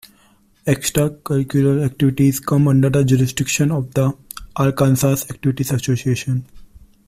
Extracurricular activities come under the jurisdiction of the Arkansas Activities Association.